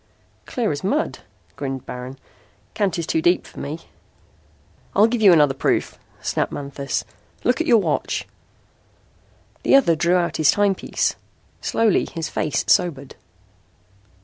"Clear as mud," grinned Baron. "Kant is too deep for me." "I'll give you another proof," snapped Manthis. "Look at your watch." The other drew out his timepiece. Slowly his face sobered.